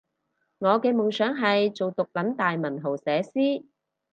我嘅夢想係做毒撚大文豪寫詩